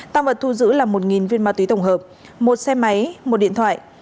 tăng vật thu giữ là một viên ma túy tổng hợp một xe máy một điện thoại